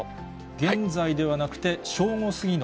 現在ではなくて正午過ぎの。